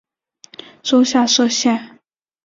州下设县。